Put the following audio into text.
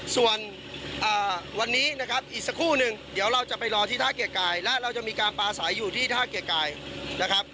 ส่วนวันนี้นะครับอีกสักครู่หนึ่งเดี๋ยวเราจะไปรอที่ท่าเกียรกายและเราจะมีการปลาใสอยู่ที่ท่าเกรกายนะครับ